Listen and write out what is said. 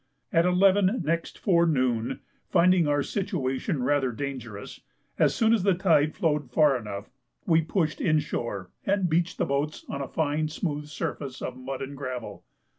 At 11 next forenoon, finding our situation rather dangerous, as soon as the tide flowed far enough, we pushed inshore, and beached the boats on a fine smooth surface of mud and gravel.